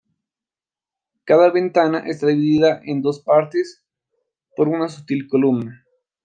Cada ventana está dividida en dos partes por una sutil columna.